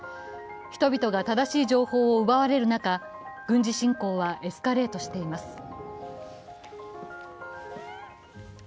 人々が正しい情報を奪われる中、軍事侵攻はエスカレートしています。